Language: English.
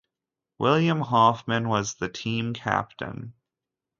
William Hoffman was the team captain.